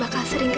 nama suami ibu